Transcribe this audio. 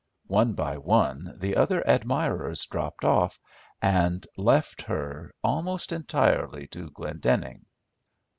One by one the other admirers dropped off, and left her almost entirely to Glendenning.